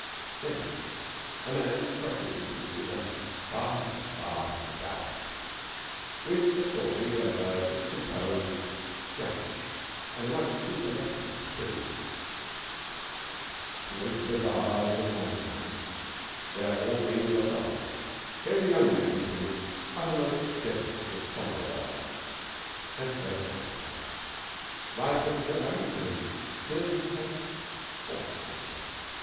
Then, a man struck in from the Sudan far and far to the south with a story of a discomposed judge and a much too collected prisoner. To the great bazaars of Omdurman, where all things are sold, came a young man from the uttermost deserts of somewhere or other and heard a gramophone. Life was of no value to him till he had bought the creature.